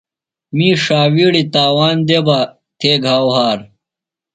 می ݜاوِیڑی تاوان دےۡ بہ تھے گھاؤ ہار۔